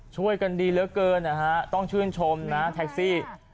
ช่วยกันดีเหลือเกินนะฮะต้องชื่นชมนะแท็กซี่